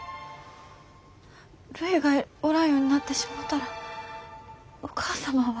るいがおらんようになってしもうたらお義母様は。